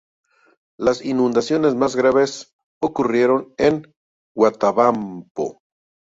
Las inundaciones más graves ocurrieron en Huatabampo.